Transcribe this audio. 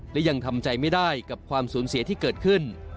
และยังทำใจไม่ได้กับความสูญเสียที่เกิดขึ้น